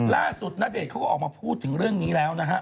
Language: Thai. ณเดชน์เขาก็ออกมาพูดถึงเรื่องนี้แล้วนะฮะ